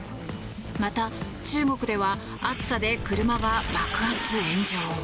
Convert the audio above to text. また、中国では暑さで車が爆発炎上。